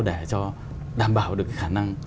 để cho đảm bảo được khả năng